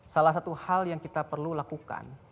salah satu hal yang kita perlu lakukan